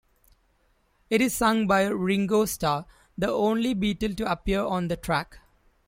It is sung by Ringo Starr, the only Beatle to appear on the track.